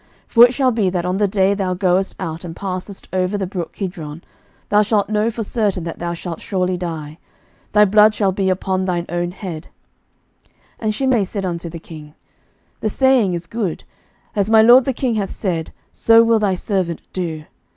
11:002:037 For it shall be, that on the day thou goest out, and passest over the brook Kidron, thou shalt know for certain that thou shalt surely die: thy blood shall be upon thine own head. 11:002:038 And Shimei said unto the king, The saying is good: as my lord the king hath said, so will thy servant do.